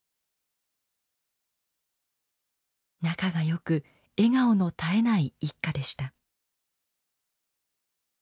仲がよく笑顔の絶えない一家でした。